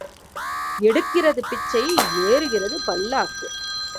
எடுக்கிறது பிச்சை ஏறுகிறது பல்லாக்கு.